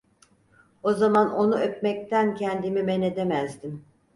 O zaman onu öpmekten kendimi men edemezdim.